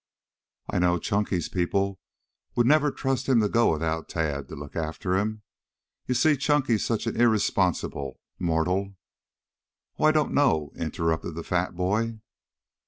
I know Chunky's people never would trust him to go without Tad to look after him. You see, Chunky's such an irresponsible mortal " "Oh, I don't know," interrupted the fat boy.